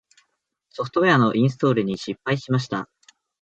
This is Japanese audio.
ソフトウェアのインストールに失敗しました。